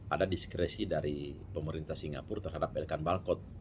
ada diskresi dari pemerintah singapura terhadap elkan balcot